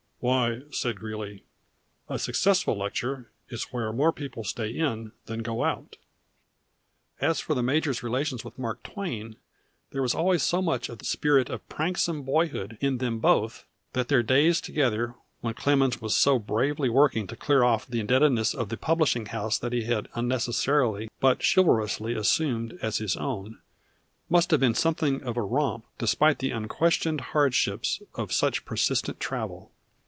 "'Why,' said Greeley, 'a successful lecture is where more people stay in than go out.'" As for the major's relations with Mark Twain, there was always so much of the spirit of pranksome boyhood in them both that their days together, when Clemens was so bravely working to clear off the indebtedness of the publishing house that he had unnecessarily but chivalrously assumed as his own, must have been something of a romp, despite the unquestioned hardships of such persistent travel.